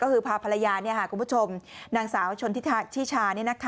ก็คือพาภรรยาคุณผู้ชมนางสาวชนทิชา